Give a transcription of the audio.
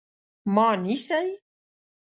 _ما نيسئ؟